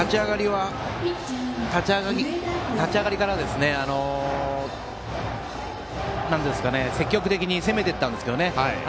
立ち上がりから積極的に攻めていったんですけどね。